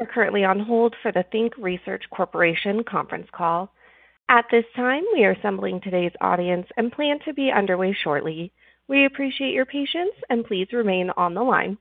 You are currently on hold for the Think Research Corporation Conference Call. At this time, we are assembling today's audience and plan to be underway shortly. We appreciate your patience, and please remain on the line.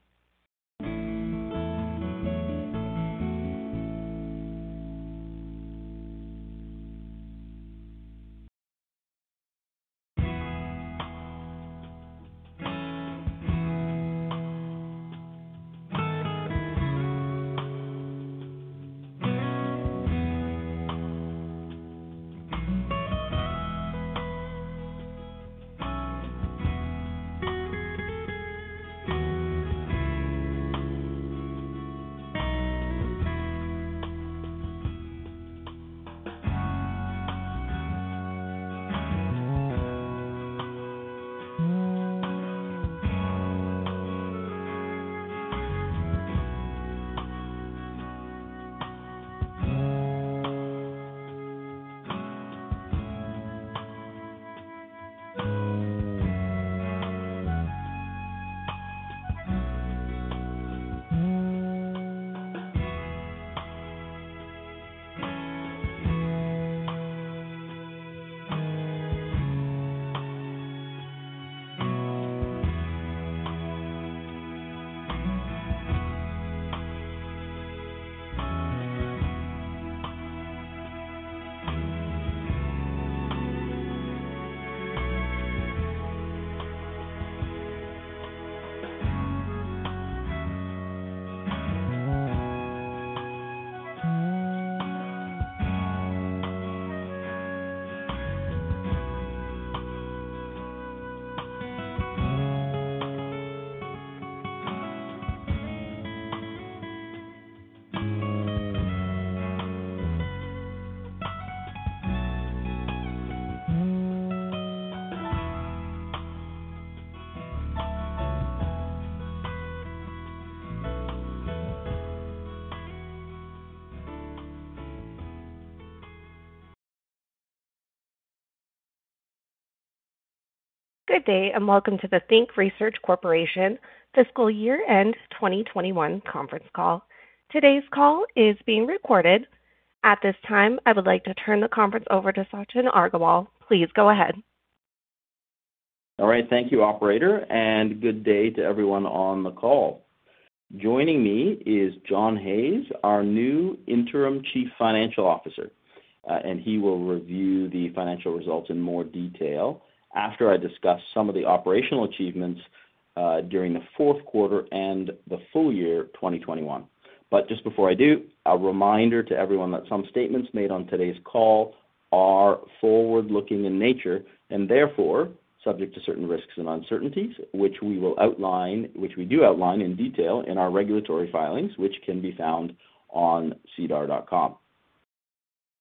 Good day, and welcome to the Think Research Corporation Fiscal Year End 2021 conference call. Today's call is being recorded. At this time, I would like to turn the conference over to Sachin Aggarwal. Please go ahead. All right. Thank you operator and good day to everyone on the call. Joining me is John Hayes, our new Interim Chief Financial Officer, and he will review the financial results in more detail after I discuss some of the operational achievements during the fourth quarter and the full year 2021. Just before I do, a reminder to everyone that some statements made on today's call are forward-looking in nature and therefore subject to certain risks and uncertainties, which we do outline in detail in our regulatory filings, which can be found on SEDAR.com.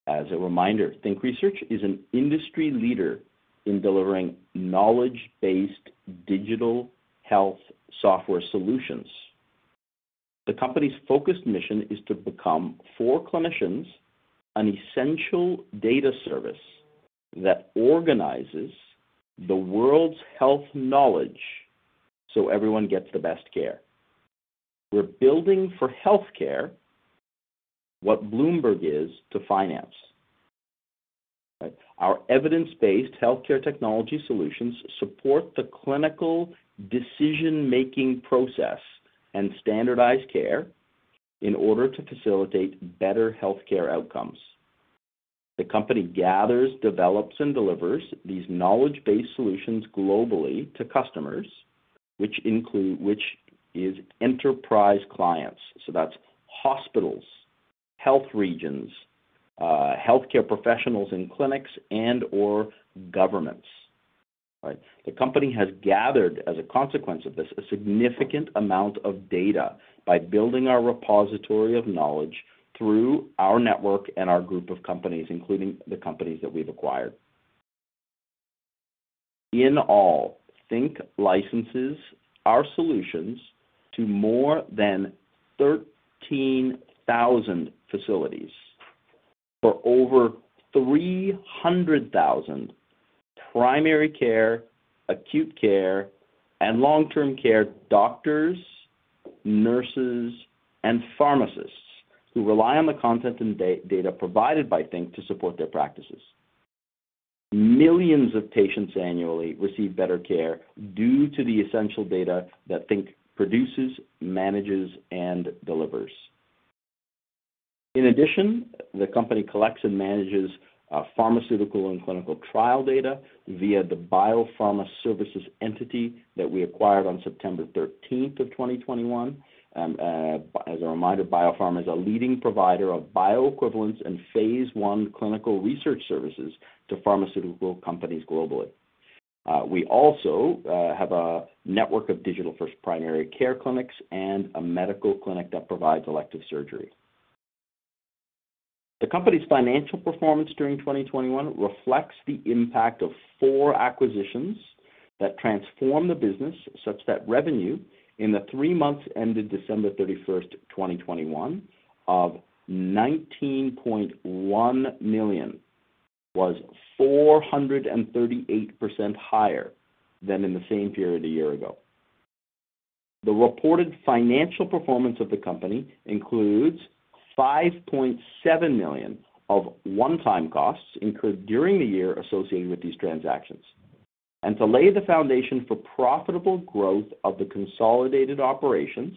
As a reminder, Think Research is an industry leader in delivering knowledge-based digital health software solutions. The company's focused mission is to become, for clinicians, an essential data service that organizes the world's health knowledge so everyone gets the best care. We're building for healthcare what Bloomberg is to finance, right? Our evidence-based healthcare technology solutions support the clinical decision-making process and standardized care in order to facilitate better healthcare outcomes. The company gathers, develops, and delivers these knowledge-based solutions globally to customers, which is enterprise clients. That's hospitals, health regions, healthcare professionals in clinics, and/or governments, right? The company has gathered, as a consequence of this, a significant amount of data by building our repository of knowledge through our network and our group of companies, including the companies that we've acquired. In all, Think licenses our solutions to more than 13,000 facilities for over 300,000 primary care, acute care, and long-term care doctors, nurses, and pharmacists who rely on the content and data provided by Think to support their practices. Millions of patients annually receive better care due to the essential data that Think produces, manages, and delivers. In addition, the company collects and manages pharmaceutical and clinical trial data via the Bio Pharma Services entity that we acquired on September 13th, 2021. As a reminder, Bio Pharma Services is a leading provider of bioequivalence in phase one clinical research services to pharmaceutical companies globally. We also have a network of digital-first primary care clinics and a medical clinic that provides elective surgery. The company's financial performance during 2021 reflects the impact of four acquisitions that transform the business, such that revenue in the three months ended December 31st, 2021 of 19.1 million was 438% higher than in the same period a year ago. The reported financial performance of the company includes 5.7 million of one-time costs incurred during the year associated with these transactions. To lay the foundation for profitable growth of the consolidated operations,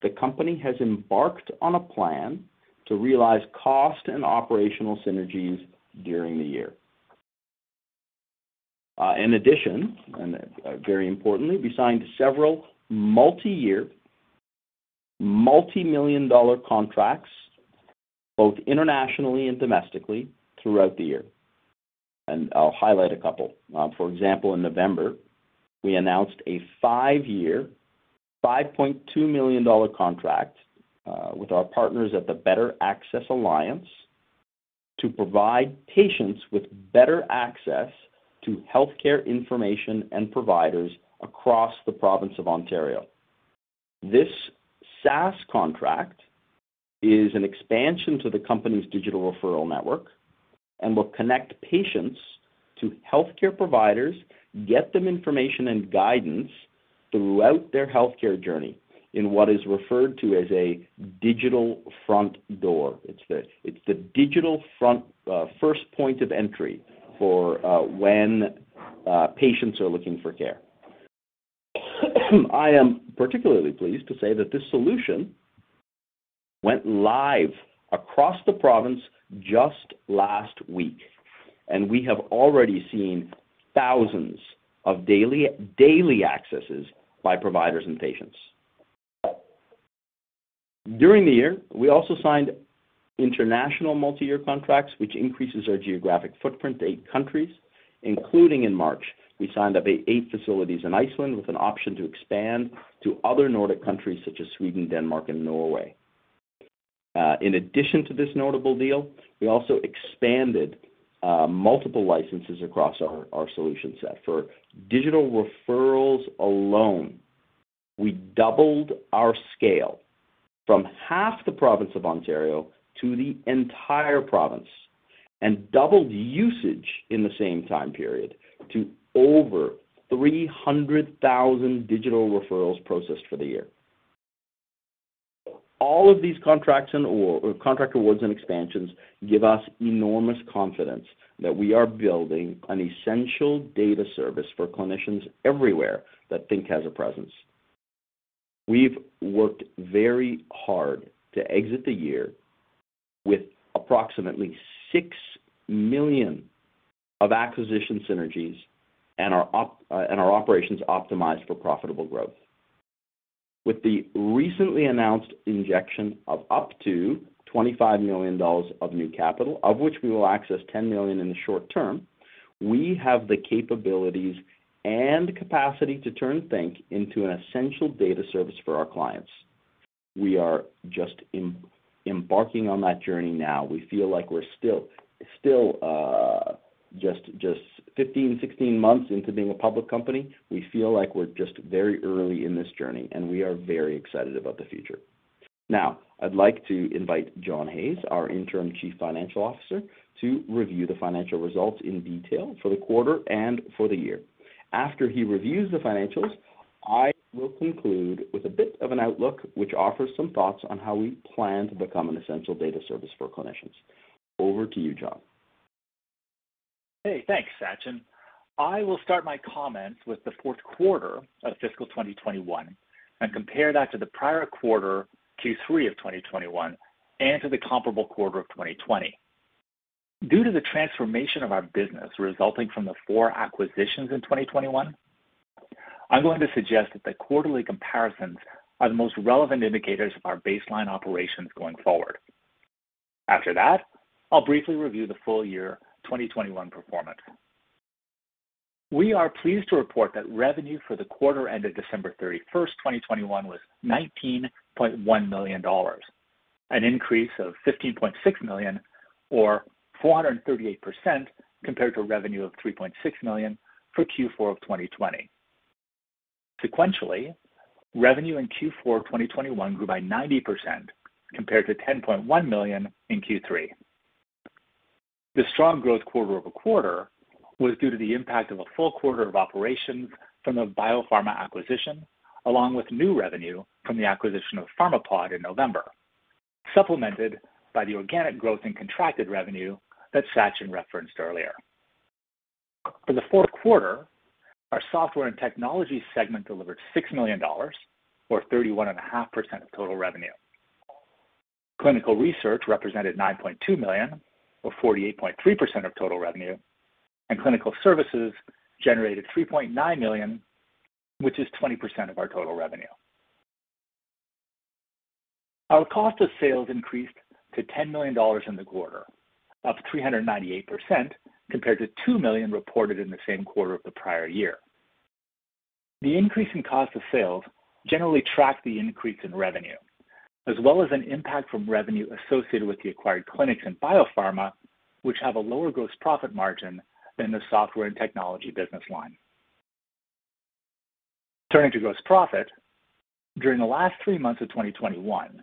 the company has embarked on a plan to realize cost and operational synergies during the year. In addition, very importantly, we signed several multi-year, multi-million dollar contracts both internationally and domestically throughout the year. I'll highlight a couple. For example, in November, we announced a five-year, 5.2 million dollar contract with our partners at the Better Access Alliance to provide patients with better access to healthcare information and providers across the province of Ontario. This SaaS contract is an expansion to the company's digital referral network and will connect patients to healthcare providers, get them information and guidance throughout their healthcare journey in what is referred to as a digital front door. It's the digital front first point of entry for when patients are looking for care. I am particularly pleased to say that this solution went live across the province just last week, and we have already seen thousands of daily accesses by providers and patients. During the year, we also signed international multi-year contracts, which increases our geographic footprint to eight countries, including in March. We signed up eight facilities in Iceland with an option to expand to other Nordic countries such as Sweden, Denmark, and Norway. In addition to this notable deal, we also expanded multiple licenses across our solution set. For digital referrals alone, we doubled our scale from half the province of Ontario to the entire province and doubled usage in the same time period to over 300,000 digital referrals processed for the year. All of these contracts and/or contract awards and expansions give us enormous confidence that we are building an essential data service for clinicians everywhere that Think has a presence. We've worked very hard to exit the year with approximately 6 million of acquisition synergies and our operations optimized for profitable growth. With the recently announced injection of up to 25 million dollars of new capital, of which we will access 10 million in the short term, we have the capabilities and capacity to turn Think into an essential data service for our clients. We are just embarking on that journey now. We feel like we're still just 15, 16 months into being a public company. We feel like we're just very early in this journey, and we are very excited about the future. Now, I'd like to invite John Hayes, our Interim Chief Financial Officer, to review the financial results in detail for the quarter and for the year. After he reviews the financials, I will conclude with a bit of an outlook, which offers some thoughts on how we plan to become an essential data service for clinicians. Over to you, John. Hey, thanks Sachin. I will start my comments with the fourth quarter of fiscal 2021 and compare that to the prior quarter, Q3 of 2021, and to the comparable quarter of 2020. Due to the transformation of our business resulting from the four acquisitions in 2021, I'm going to suggest that the quarterly comparisons are the most relevant indicators of our baseline operations going forward. After that, I'll briefly review the full year 2021 performance. We are pleased to report that revenue for the quarter ended December 31st, 2021 was 19.1 million dollars, an increase of 15.6 million or 438% compared to revenue of 3.6 million for Q4 of 2020. Sequentially, revenue in Q4 of 2021 grew by 90% compared to 10.1 million in Q3. The strong growth quarter-over-quarter was due to the impact of a full quarter of operations from the Bio Pharma acquisition, along with new revenue from the acquisition of Pharmapod in November, supplemented by the organic growth in contracted revenue that Sachin referenced earlier. For the fourth quarter, our software and technology segment delivered 6 million dollars, or 31.5% of total revenue. Clinical research represented 9.2 million, or 48.3% of total revenue. Clinical services generated 3.9 million, which is 20% of our total revenue. Our cost of sales increased to 10 million dollars in the quarter, up 398% compared to 2 million reported in the same quarter of the prior year. The increase in cost of sales generally tracked the increase in revenue, as well as an impact from revenue associated with the acquired clinics in Bio Pharma, which have a lower gross profit margin than the software and technology business line. Turning to gross profit, during the last three months of 2021,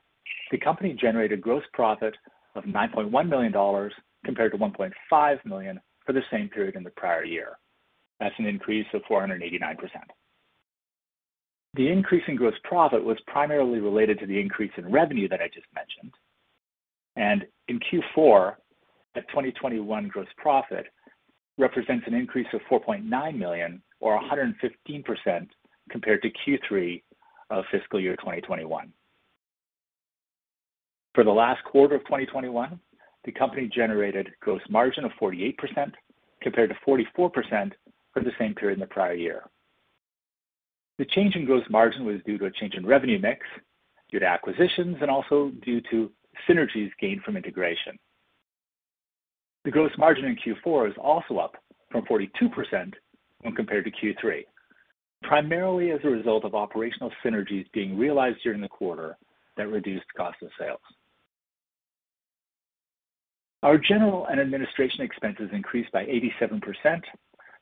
the company generated gross profit of 9.1 million dollars compared to 1.5 million for the same period in the prior year. That's an increase of 489%. The increase in gross profit was primarily related to the increase in revenue that I just mentioned. In Q4, that 2021 gross profit represents an increase of 4.9 million or 115% compared to Q3 of fiscal year 2021. For the last quarter of 2021, the company generated gross margin of 48% compared to 44% for the same period in the prior year. The change in gross margin was due to a change in revenue mix due to acquisitions and also due to synergies gained from integration. The gross margin in Q4 is also up from 42% when compared to Q3, primarily as a result of operational synergies being realized during the quarter that reduced cost of sales. Our general and administrative expenses increased by 87%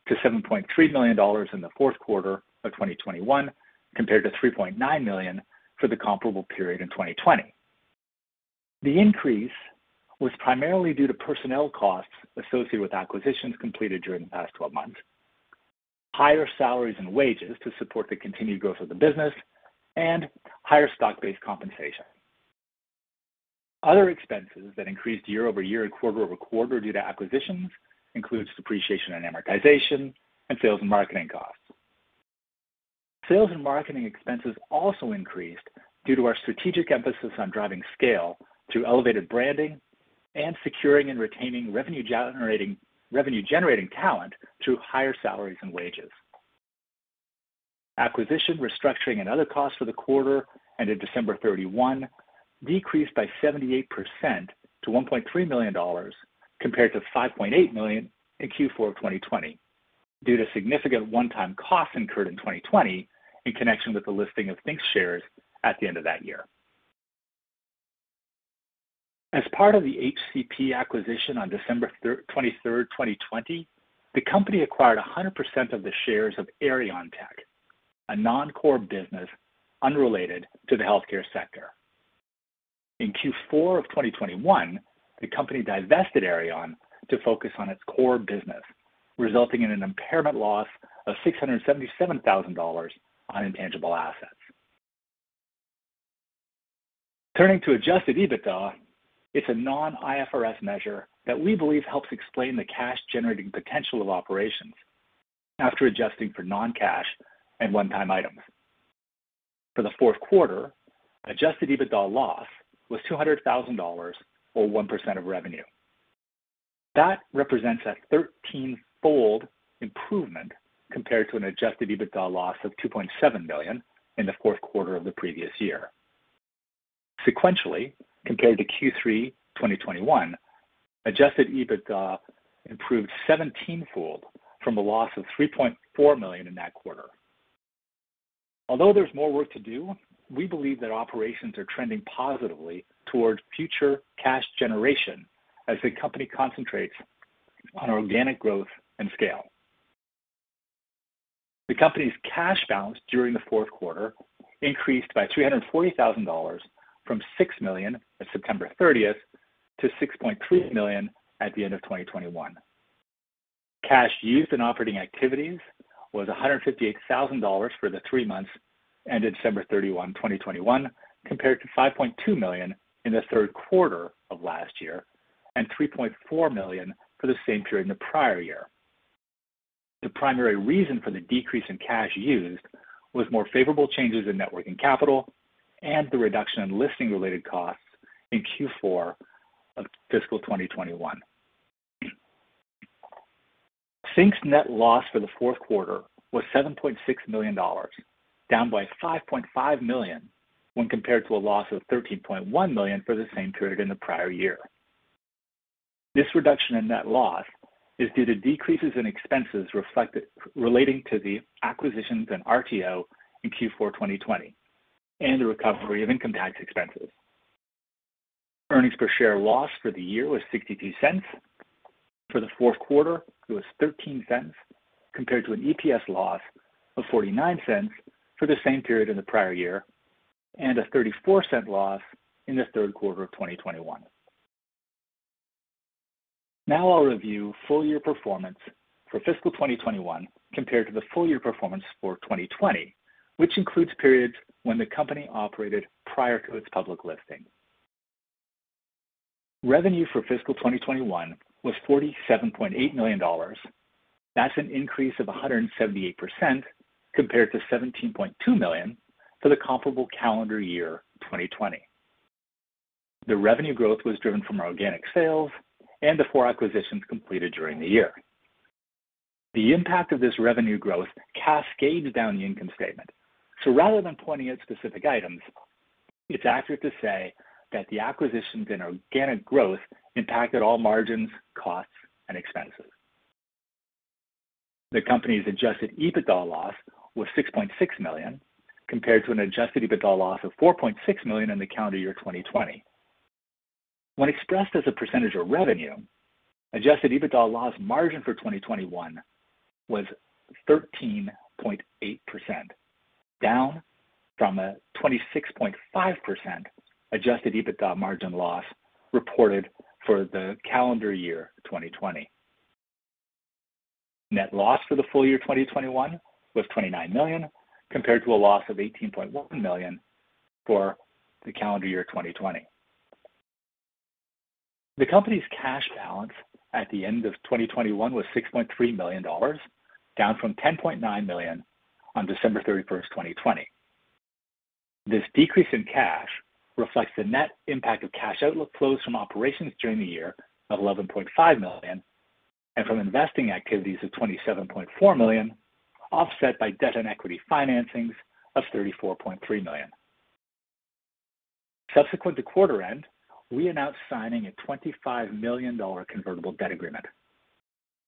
to 7.3 million dollars in the fourth quarter of 2021 compared to 3.9 million for the comparable period in 2020. The increase was primarily due to personnel costs associated with acquisitions completed during the past 12 months, higher salaries and wages to support the continued growth of the business, and higher stock-based compensation. Other expenses that increased year-over-year and quarter-over-quarter due to acquisitions includes depreciation and amortization and sales and marketing costs. Sales and marketing expenses also increased due to our strategic emphasis on driving scale through elevated branding and securing and retaining revenue generating talent through higher salaries and wages. Acquisition, restructuring, and other costs for the quarter ended December 31 decreased by 78% to 1.3 million dollars compared to 5.8 million in Q4 of 2020 due to significant one-time costs incurred in 2020 in connection with the listing of Think's shares at the end of that year. As part of the HCP acquisition on December 23rd, 2020, the company acquired 100% of the shares of Aireon Tech, a non-core business unrelated to the healthcare sector. In Q4 of 2021, the company divested Aireon to focus on its core business, resulting in an impairment loss of 677,000 dollars on intangible assets. Turning to Adjusted EBITDA, it's a non-IFRS measure that we believe helps explain the cash-generating potential of operations after adjusting for non-cash and one-time items. For the fourth quarter, Adjusted EBITDA loss was 200,000 dollars or 1% of revenue. That represents a thirteen-fold improvement compared to an Adjusted EBITDA loss of 2.7 million in the fourth quarter of the previous year. Sequentially, compared to Q3 2021, Adjusted EBITDA improved 17th-fold from a loss of 3.4 million in that quarter. Although there's more work to do, we believe that operations are trending positively towards future cash generation as the company concentrates on organic growth and scale. The company's cash balance during the fourth quarter increased by 340,000 dollars from 6 million at September 30th to 6.3 million at the end of 2021. Cash used in operating activities was 158,000 dollars for the three months ended December 31, 2021, compared to 5.2 million in the third quarter of last year and 3.4 million for the same period in the prior year. The primary reason for the decrease in cash used was more favorable changes in net working capital and the reduction in listing-related costs in Q4 of fiscal 2021. Think's net loss for the fourth quarter was 7.6 million dollars, down by 5.5 million when compared to a loss of 13.1 million for the same period in the prior year. This reduction in net loss is due to decreases in expenses reflected, relating to the acquisitions and RTO in Q4 2020 and the recovery of income tax expenses. Earnings per share loss for the year was 0.62. For the fourth quarter, it was 0.13 compared to an EPS loss of 0.49 for the same period in the prior year and a 0.34 loss in the third quarter of 2021. Now I'll review full-year performance for fiscal 2021 compared to the full-year performance for 2020, which includes periods when the company operated prior to its public listing. Revenue for fiscal 2021 was 47.8 million dollars. That's an increase of 178% compared to 17.2 million for the comparable calendar year, 2020. The revenue growth was driven from our organic sales and the four acquisitions completed during the year. The impact of this revenue growth cascades down the income statement. Rather than pointing at specific items, it's accurate to say that the acquisitions and organic growth impacted all margins, costs, and expenses. The company's Adjusted EBITDA loss was 6.6 million compared to an Adjusted EBITDA loss of 4.6 million in the calendar year 2020. When expressed as a percentage of revenue, Adjusted EBITDA loss margin for 2021 was 13.8%, down from a 26.5% Adjusted EBITDA margin loss reported for the calendar year 2020. Net loss for the full year 2021 was 29 million, compared to a loss of 18.1 million for the calendar year 2020. The company's cash balance at the end of 2021 was 6.3 million dollars, down from 10.9 million on December 31st, 2020. This decrease in cash reflects the net impact of cash outflows from operations during the year of 11.5 million and from investing activities of 27.4 million, offset by debt and equity financings of 34.3 million. Subsequent to quarter end, we announced signing a 25 million dollar convertible debt agreement.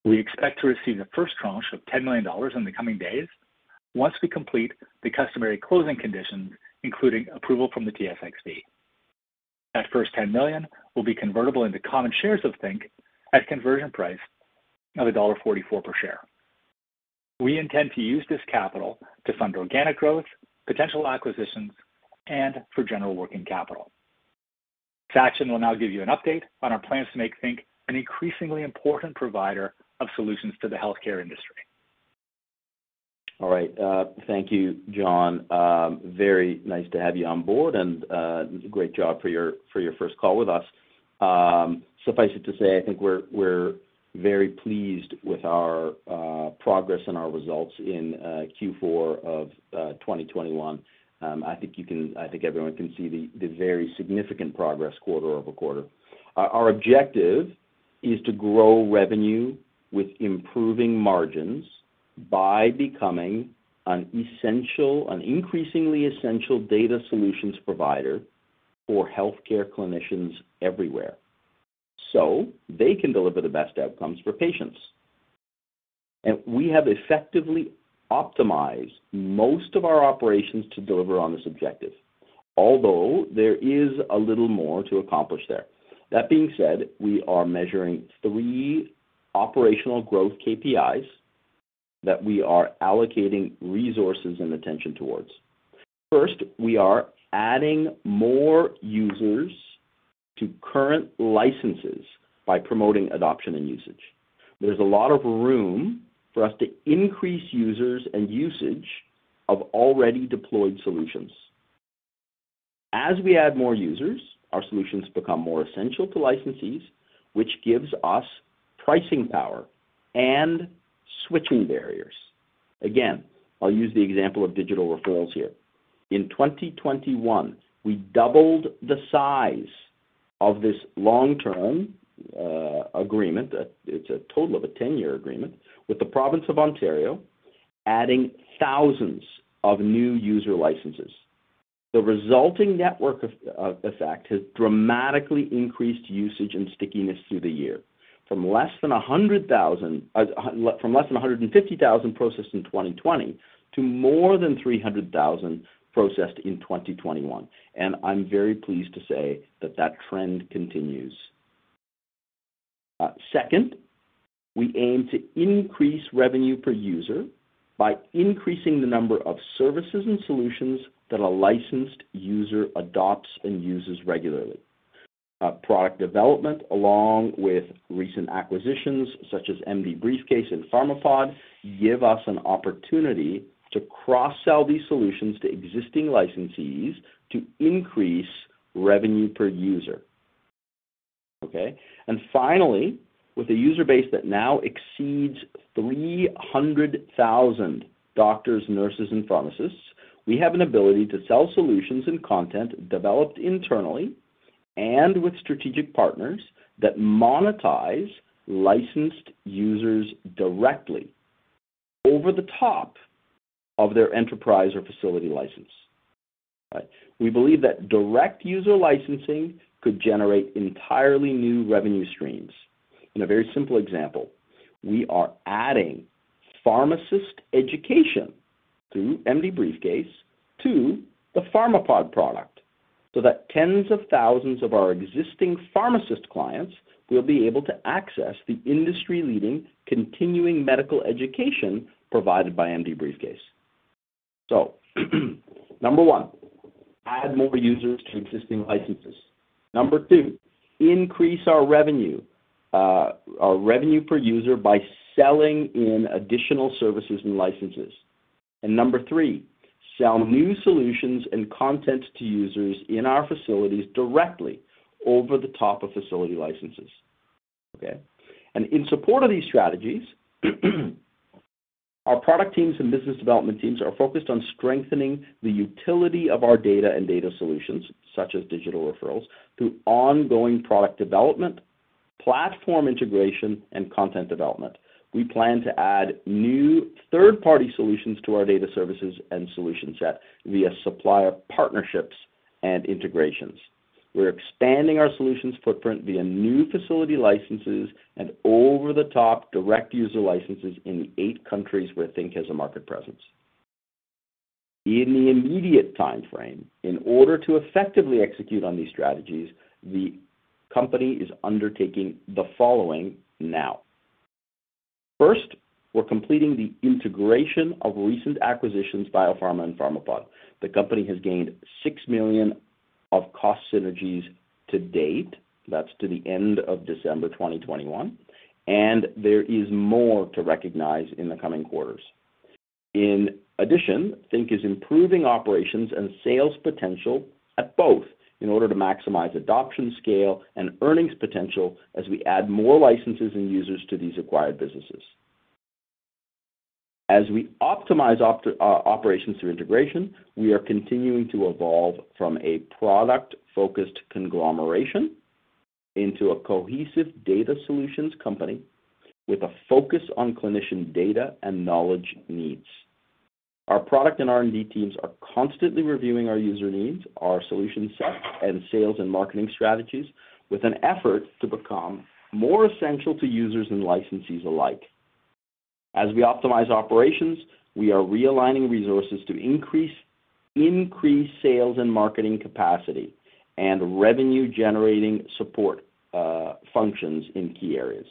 We expect to receive the first tranche of 10 million dollars in the coming days once we complete the customary closing conditions, including approval from the TSXV. That first 10 million will be convertible into common shares of Think at conversion price of dollar 1.44 per share. We intend to use this capital to fund organic growth, potential acquisitions, and for general working capital. Sachin will now give you an update on our plans to make Think an increasingly important provider of solutions to the healthcare industry. All right. Thank you John. Very nice to have you on board and, great job for your, for your first call with us. Suffice it to say, I think we're very pleased with our progress and our results in Q4 of 2021. I think everyone can see the very significant progress quarter-over-quarter. Our objective is to grow revenue with improving margins by becoming an increasingly essential data solutions provider for healthcare clinicians everywhere, so they can deliver the best outcomes for patients. We have effectively optimized most of our operations to deliver on this objective, although there is a little more to accomplish there. That being said, we are measuring three operational growth KPIs that we are allocating resources and attention towards. First, we are adding more users to current licenses by promoting adoption and usage. There's a lot of room for us to increase users and usage of already deployed solutions. As we add more users, our solutions become more essential to licensees, which gives us pricing power and switching barriers. Again, I'll use the example of digital referrals here. In 2021, we doubled the size of this long-term agreement. It's a total of a 10-year agreement with the province of Ontario, adding thousands of new user licenses. The resulting network effect has dramatically increased usage and stickiness through the year from less than 150,000 processed in 2020 to more than 300,000 processed in 2021. I'm very pleased to say that that trend continues. Second, we aim to increase revenue per user by increasing the number of services and solutions that a licensed user adopts and uses regularly. Product development, along with recent acquisitions such as MDBriefCase and Pharmapod, give us an opportunity to cross-sell these solutions to existing licensees to increase revenue per user. Okay? Finally, with a user base that now exceeds 300,000 doctors, nurses, and pharmacists, we have an ability to sell solutions and content developed internally and with strategic partners that monetize licensed users directly over the top of their enterprise or facility license. We believe that direct user licensing could generate entirely new revenue streams. In a very simple example, we are adding pharmacist education through MDBriefCase to the Pharmapod product, so that tens of thousands of our existing pharmacist clients will be able to access the industry-leading continuing medical education provided by MDBriefCase. Number one, add more users to existing licenses. Number two, increase our revenue, our revenue per user by selling in additional services and licenses. Number three, sell new solutions and content to users in our facilities directly over the top of facility licenses. Okay? In support of these strategies, our product teams and business development teams are focused on strengthening the utility of our data and data solutions, such as digital referrals, through ongoing product development, platform integration, and content development. We plan to add new third-party solutions to our data services and solution set via supplier partnerships and integrations. We're expanding our solutions footprint via new facility licenses and over-the-top direct user licenses in eight countries where Think has a market presence. In the immediate time frame, in order to effectively execute on these strategies, the company is undertaking the following now. First, we're completing the integration of recent acquisitions, Bio Pharma and Pharmapod. The company has gained 6 million of cost synergies to date. That's to the end of December 2021. There is more to recognize in the coming quarters. In addition, Think is improving operations and sales potential at both in order to maximize adoption scale and earnings potential as we add more licenses and users to these acquired businesses. As we optimize operations through integration, we are continuing to evolve from a product-focused conglomeration into a cohesive data solutions company with a focus on clinician data and knowledge needs. Our product and R&D teams are constantly reviewing our user needs, our solution set, and sales and marketing strategies with an effort to become more essential to users and licensees alike. As we optimize operations, we are realigning resources to increase sales and marketing capacity and revenue-generating support functions in key areas.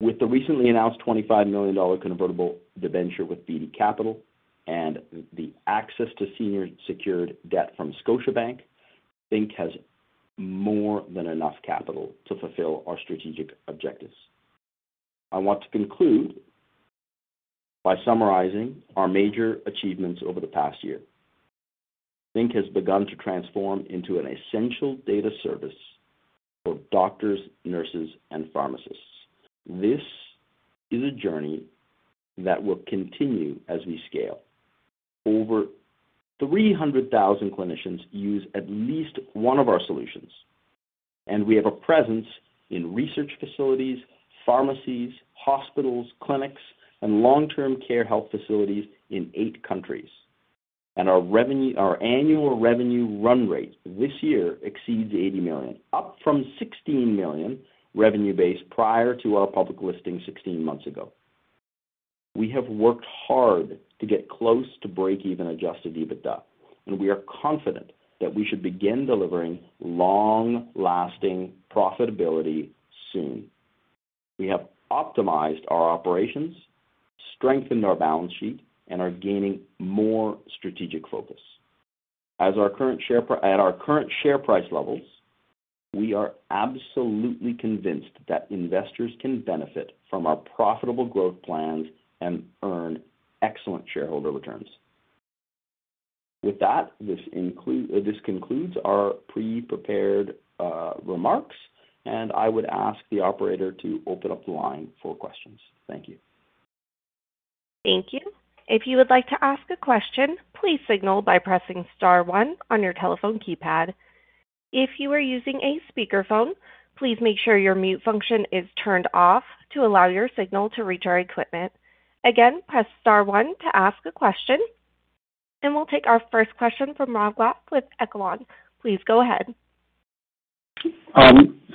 With the recently announced 25 million dollar convertible debenture with Beedie Capital and the access to senior secured debt from Scotiabank, Think has more than enough capital to fulfill our strategic objectives. I want to conclude by summarizing our major achievements over the past year. Think has begun to transform into an essential data service for doctors, nurses, and pharmacists. This is a journey that will continue as we scale. Over 300,000 clinicians use at least one of our solutions, and we have a presence in research facilities, pharmacies, hospitals, clinics, and long-term care health facilities in eight countries. Our annual revenue run rate this year exceeds 80 million, up from 16 million revenue base prior to our public listing 16 months ago. We have worked hard to get close to break-even Adjusted EBITDA, and we are confident that we should begin delivering long-lasting profitability soon. We have optimized our operations, strengthened our balance sheet, and are gaining more strategic focus. At our current share price levels, we are absolutely convinced that investors can benefit from our profitable growth plans and earn excellent shareholder returns. With that, this concludes our pre-prepared remarks, and I would ask the operator to open up the line for questions. Thank you. Thank you. If you would like to ask a question, please signal by pressing star one on your telephone keypad. If you are using a speakerphone, please make sure your mute function is turned off to allow your signal to reach our equipment. Again, press star one to ask a question. We'll take our first question from Rob Goff with Echelon. Please go ahead.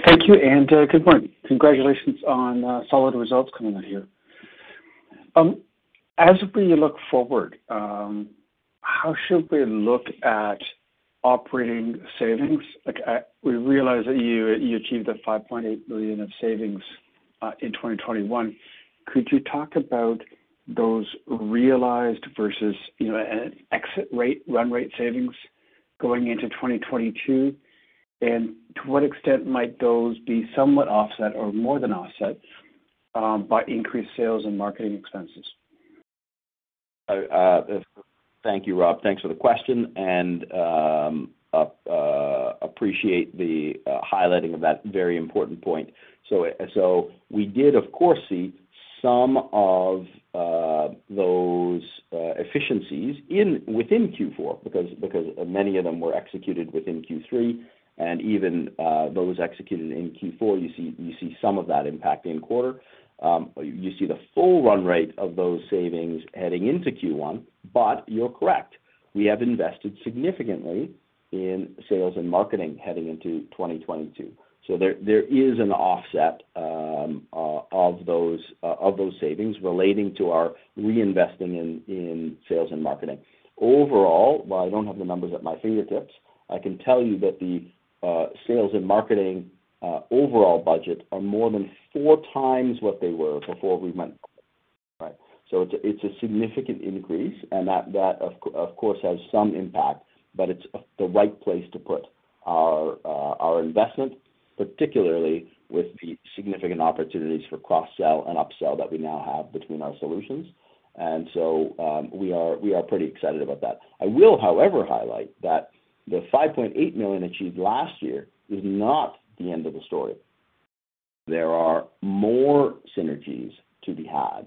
Thank you and good morning. Congratulations on solid results coming out here. As we look forward, how should we look at operating savings? Like, we realize that you achieved 5.8 million of savings in 2021. Could you talk about those realized versus, you know, an exit rate, run rate savings going into 2022? To what extent might those be somewhat offset or more than offset by increased sales and marketing expenses? Thank you, Rob. Thanks for the question and appreciate the highlighting of that very important point. We did of course see some of those efficiencies within Q4 because many of them were executed within Q3 and even those executed in Q4, you see some of that impact in quarter. You see the full run rate of those savings heading into Q1. You're correct, we have invested significantly in sales and marketing heading into 2022. There is an offset of those savings relating to our reinvesting in sales and marketing. Overall, while I don't have the numbers at my fingertips, I can tell you that the sales and marketing overall budget are more than 4x what they were before we went public, right? It's a significant increase. That of course has some impact, but it's the right place to put our investment, particularly with the significant opportunities for cross-sell and upsell that we now have between our solutions. We are pretty excited about that. I will, however, highlight that the 5.8 million achieved last year is not the end of the story. There are more synergies to be had,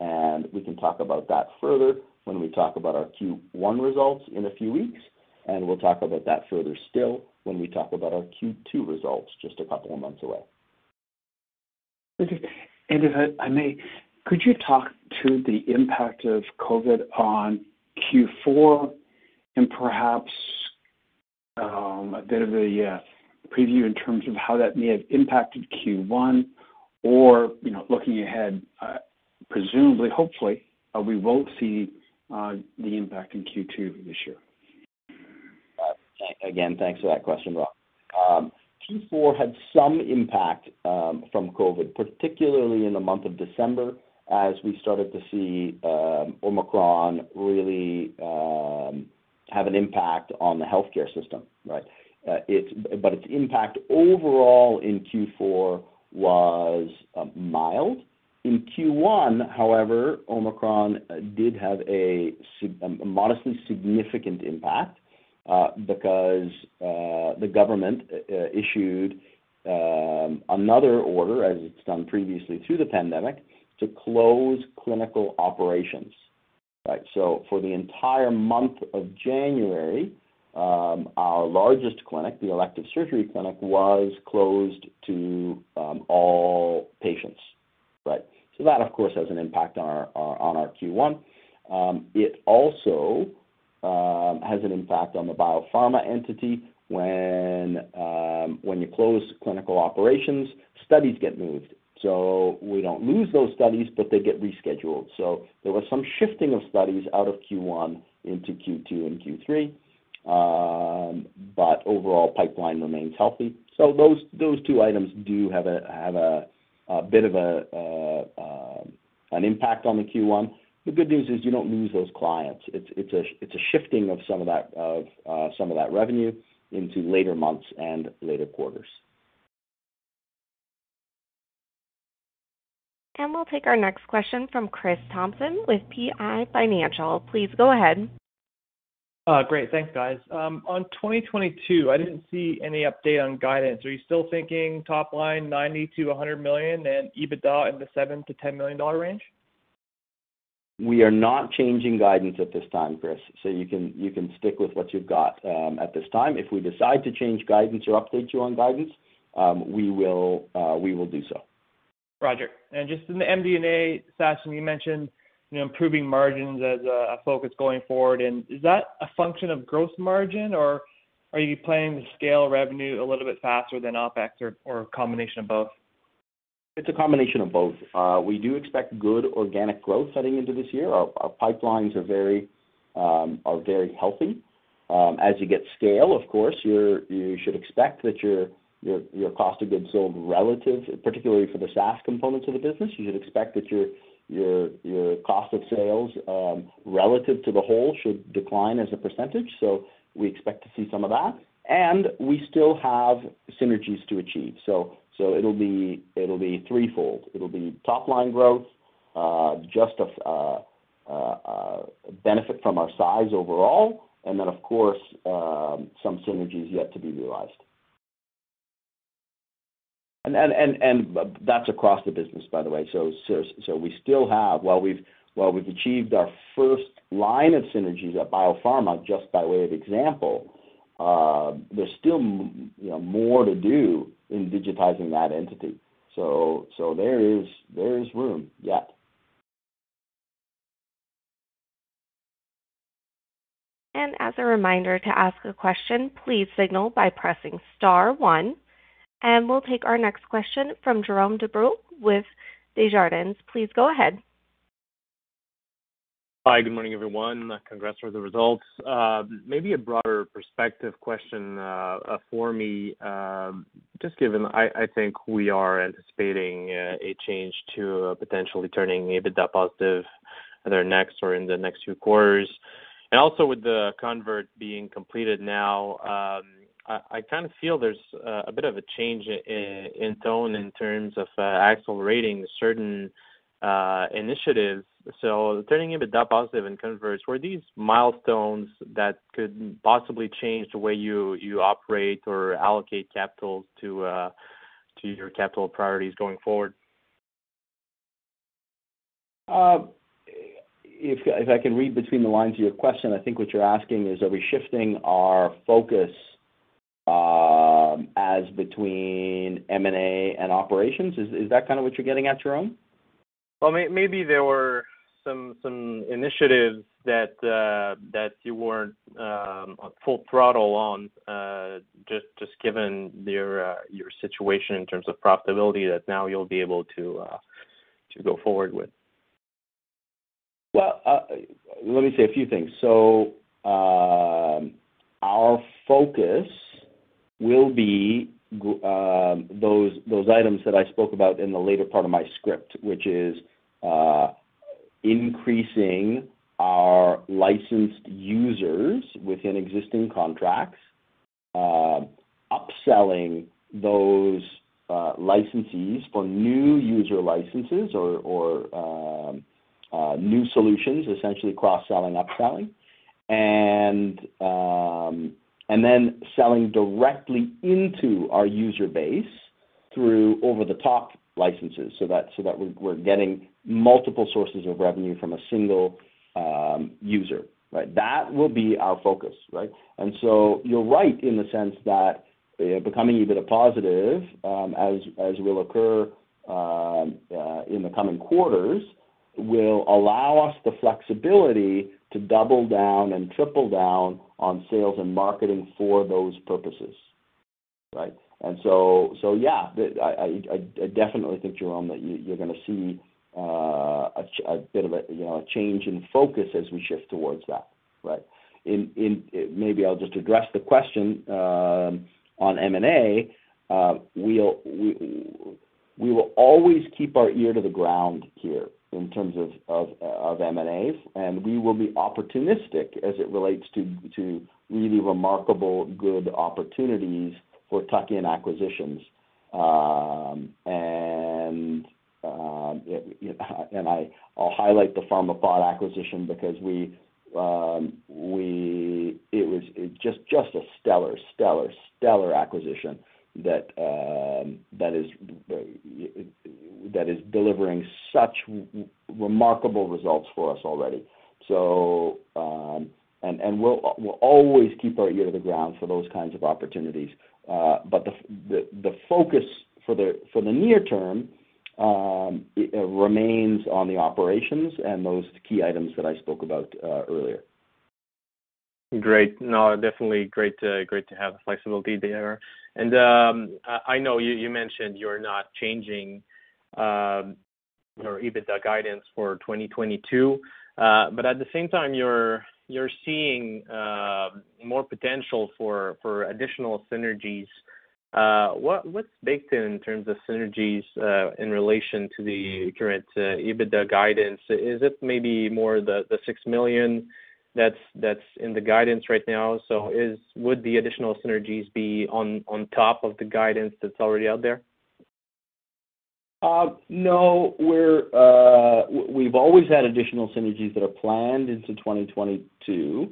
and we can talk about that further when we talk about our Q1 results in a few weeks, and we'll talk about that further still when we talk about our Q2 results just a couple of months away. Okay. If I may, could you talk to the impact of COVID on Q4 and perhaps a bit of a preview in terms of how that may have impacted Q1 or, you know, looking ahead, presumably, hopefully, we won't see the impact in Q2 this year. Again, thanks for that question, Rob. Q4 had some impact from COVID, particularly in the month of December as we started to see Omicron really have an impact on the healthcare system, right? Its impact overall in Q4 was mild. In Q1, however, Omicron did have a modestly significant impact because the government issued another order as it's done previously through the pandemic to close clinical operations. Right. For the entire month of January, our largest clinic, the elective surgery clinic, was closed to all patients. Right. That of course has an impact on our Q1. It also has an impact on the biopharma entity when you close clinical operations, studies get moved. We don't lose those studies, but they get rescheduled. There was some shifting of studies out of Q1 into Q2 and Q3. Overall pipeline remains healthy. Those two items do have a bit of an impact on the Q1. The good news is you don't lose those clients. It's a shifting of some of that revenue into later months and later quarters. We'll take our next question from Chris Thompson with PI Financial. Please go ahead. Great. Thanks, guys. On 2022, I didn't see any update on guidance. Are you still thinking top line 90 million-100 million and EBITDA in the 7 million-10 million dollar range? We are not changing guidance at this time, Chris. You can stick with what you've got at this time. If we decide to change guidance or update you on guidance, we will do so. Roger. Just in the MD&A session, you mentioned, you know, improving margins as a focus going forward. Is that a function of gross margin or are you planning to scale revenue a little bit faster than OpEx or a combination of both? It's a combination of both. We do expect good organic growth heading into this year. Our pipelines are very healthy. As you get scale, of course, you should expect that your cost of goods sold relative, particularly for the SaaS components of the business, you should expect that your cost of sales relative to the whole should decline as a percentage. We expect to see some of that. We still have synergies to achieve. It'll be three-fold. It'll be top-line growth, just a benefit from our size overall and then of course, some synergies yet to be realized. That's across the business, by the way. We still have, while we've achieved our first line of synergies at Bio Pharma, just by way of example, there's still, you know, more to do in digitizing that entity. There is room, yeah. As a reminder, to ask a question, please signal by pressing star one. We'll take our next question from Jerome Dubreuil with Desjardins. Please go ahead. Hi. Good morning everyone. Congrats for the results. Maybe a broader perspective question for me, just given I think we are anticipating a change to potentially turning EBITDA positive either next or in the next few quarters. With the convert being completed now, I kind of feel there's a bit of a change in tone in terms of accelerating certain initiatives. Turning EBITDA positive and converts, were these milestones that could possibly change the way you operate or allocate capital to your capital priorities going forward? If I can read between the lines of your question, I think what you're asking is are we shifting our focus as between M&A and operations. Is that kind of what you're getting at, Jerome? Well, maybe there were some initiatives that you weren't full throttle on, just given your situation in terms of profitability that now you'll be able to go forward with. Well, let me say a few things. Our focus will be those items that I spoke about in the later part of my script, which is increasing our licensed users within existing contracts, upselling those licensees for new user licenses or new solutions, essentially cross-selling, upselling, and then selling directly into our user base through over-the-top licenses so that we're getting multiple sources of revenue from a single user, right? That will be our focus, right? You're right in the sense that becoming EBITDA positive, as will occur in the coming quarters, will allow us the flexibility to double down and triple down on sales and marketing for those purposes, right? Yeah, I definitely think, Jerome, that you're gonna see a bit of a, you know, a change in focus as we shift towards that, right? Maybe I'll just address the question on M&A. We will always keep our ear to the ground here in terms of M&As, and we will be opportunistic as it relates to really remarkably good opportunities for tuck-in acquisitions. I'll highlight the Pharmapod acquisition because it was just a stellar acquisition that is delivering such remarkable results for us already. We'll always keep our ear to the ground for those kinds of opportunities. The focus for the near term remains on the operations and those key items that I spoke about earlier. Great. No, definitely great to have the flexibility there. I know you mentioned you're not changing your EBITDA guidance for 2022, but at the same time, you're seeing more potential for additional synergies. What's baked in in terms of synergies in relation to the current EBITDA guidance? Is it maybe more the 6 million that's in the guidance right now? Would the additional synergies be on top of the guidance that's already out there? No. We've always had additional synergies that are planned into 2022.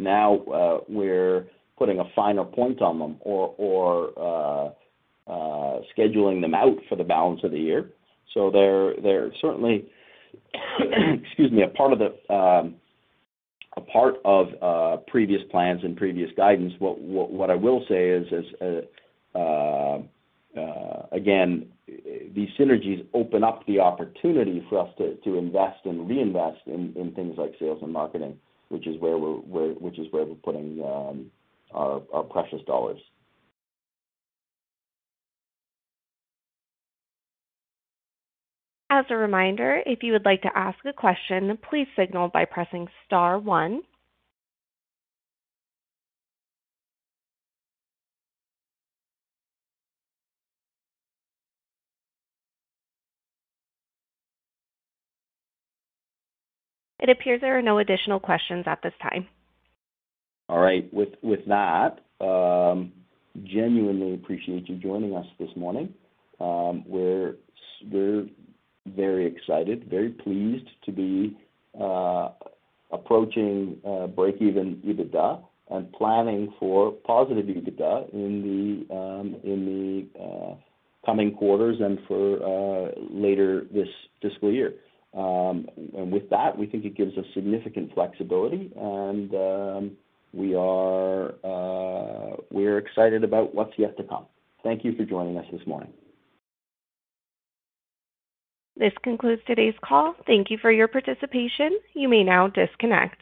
Now, we're putting a finer point on them or scheduling them out for the balance of the year. They're certainly, excuse me, a part of previous plans and previous guidance. What I will say is again, these synergies open up the opportunity for us to invest and reinvest in things like sales and marketing, which is where we're putting our precious dollars. As a reminder, if you would like to ask a question, please signal by pressing star one. It appears there are no additional questions at this time. All right. With that, genuinely appreciate you joining us this morning. We're very excited, very pleased to be approaching break-even EBITDA and planning for positive EBITDA in the coming quarters and for later this fiscal year. With that, we think it gives us significant flexibility and we're excited about what's yet to come. Thank you for joining us this morning. This concludes today's call. Thank you for your participation. You may now disconnect.